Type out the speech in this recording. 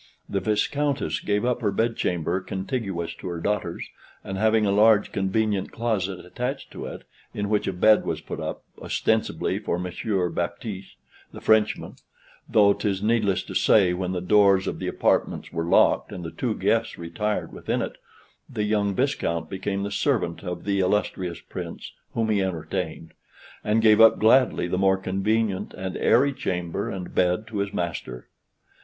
The Viscountess gave up her bedchamber contiguous to her daughter's, and having a large convenient closet attached to it, in which a bed was put up, ostensibly for Monsieur Baptiste, the Frenchman; though, 'tis needless to say, when the doors of the apartments were locked, and the two guests retired within it, the young viscount became the servant of the illustrious Prince whom he entertained, and gave up gladly the more convenient and airy chamber and bed to his master.